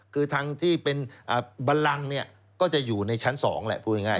คือทางที่เป็นบันลังเนี่ยก็จะอยู่ในชั้น๒แหละพูดง่าย